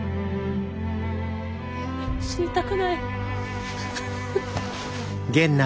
死にたくない。